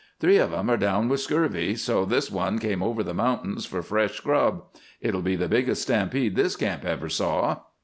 Three of 'em are down with scurvy, so this one came over the mountains for fresh grub. It'll be the biggest stampede this camp ever saw."